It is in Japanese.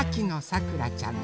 さくらちゃん。